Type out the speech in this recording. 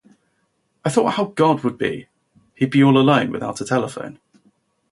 I thought how god would be, he'd be all alone without a telephone.